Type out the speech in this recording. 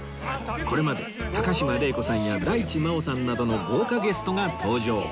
これまで高島礼子さんや大地真央さんなどの豪華ゲストが登場